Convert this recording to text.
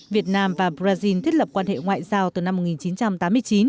việt nam và brazil thiết lập quan hệ ngoại giao từ năm một nghìn chín trăm tám mươi chín